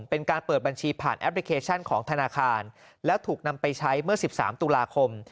เป็นการเปิดบัญชีผ่านแอปพลิเคชันของธนาคารแล้วถูกนำไปใช้เมื่อ๑๓ตุลาคม